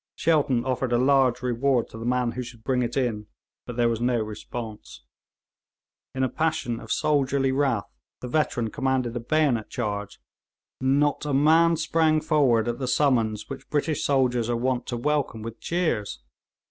Shelton offered a large reward to the man who should bring it in, but there was no response. In a passion of soldierly wrath, the veteran commanded a bayonet charge; not a man sprang forward at the summons which British soldiers are wont to welcome with cheers.